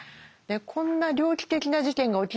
こんな猟奇的な事件が起きるなんて